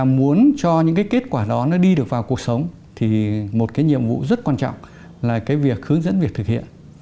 muốn cho những cái kết quả đó nó đi được vào cuộc sống thì một cái nhiệm vụ rất quan trọng là cái việc hướng dẫn việc thực hiện